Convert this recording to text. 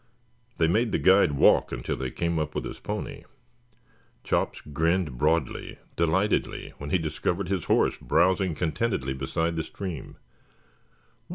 They made the guide walk until they came up with his pony. Chops grinned broadly, delightedly, when he discovered his horse browsing contentedly beside the stream.